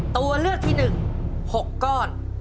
ตัวเลือกที่๑๖ก้อน